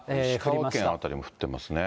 石川県辺りも降っていますね。